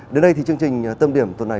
đến đây thì chương trình tâm điểm tuần này